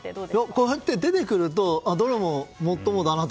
こうやって出てくるとどれも、もっともだなと。